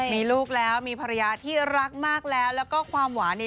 มีลูกแล้วมีภรรยาที่รักมากแล้วแล้วก็ความหวานนี้